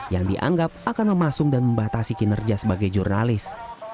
yang dianggap akan memasung dan membatasi kinerja sebagai jurnalis